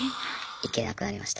行けなくなりました。